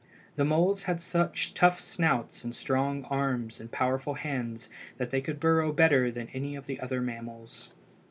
The moles had such tough snouts and strong arms and powerful hands that they could burrow better than any of the other mammals.